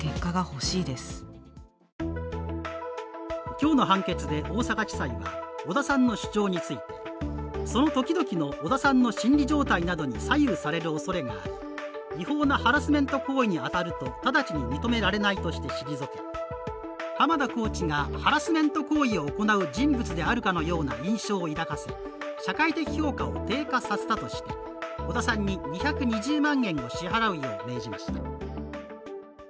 今日の判決で大阪地裁は織田さんの主張についてその時々の織田さんの心理状態などに左右されるおそれがあり違法なハラスメント行為に当たると直ちに認められないと退け、濱田コーチがハラスメント行為を行う人物であるかのような印象を抱かせ社会的評価を低下させたとして織田さんに２２０万円を支払うよう命じました。